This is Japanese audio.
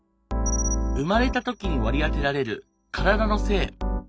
生まれた時に割り当てられる体の性。